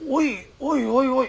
おいおいおい。